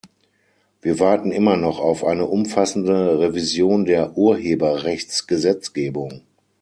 Wir warten immer noch auf eine umfassende Revision der Urheberrechtsgesetzgebung.